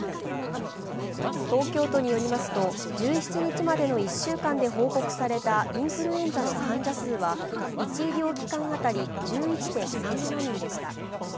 東京都によりますと１７日までの１週間で報告されたインフルエンザの患者数は１医療機関当たり１１．３７人でした。